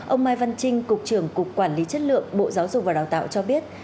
ông mai văn trinh cục trưởng cục quản lý chất lượng bộ giáo dục và đào tạo cho biết